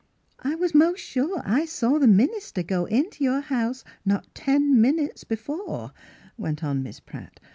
" I was most sure I saw the minister go int' your house not ten minutes before," went on Miss Pratt.